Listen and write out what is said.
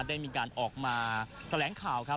ได้มีการออกมาแถลงข่าวครับ